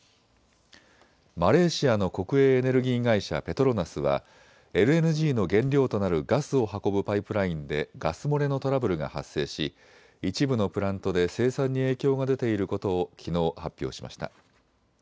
マレーシアの国営エネルギー会社ペトロナスはＬＮＧの原料となるガスを運ぶパイプラインでガス漏れのトラブルが発生し一部のプラントで生産に影響が出ていることをきのう発表しました。